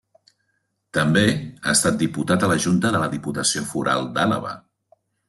També ha estat diputat a la Junta de la Diputació Foral d'Àlaba.